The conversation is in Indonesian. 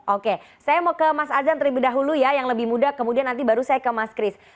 oke saya mau ke mas azan terlebih dahulu ya yang lebih muda kemudian nanti baru saya ke mas kris